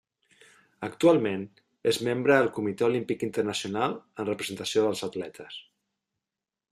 Actualment és membre el Comitè Olímpic Internacional en representació dels atletes.